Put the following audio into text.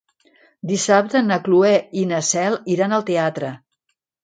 Dissabte na Cloè i na Cel iran al teatre.